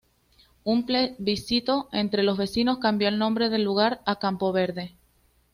Un plebiscito entre los vecinos cambió el nombre del lugar a Campo Verde.